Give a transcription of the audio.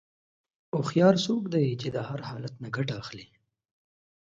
هوښیار څوک دی چې د هر حالت نه ګټه اخلي.